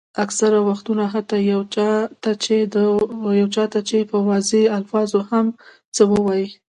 اکثره وختونه حتیٰ یو چا ته چې په واضحو الفاظو هم څه وایئ.